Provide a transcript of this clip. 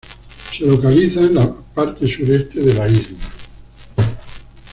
Se localiza en la parte sureste de la isla.